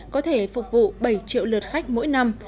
có thể phục vụ bảy triệu lượt khách mỗi năm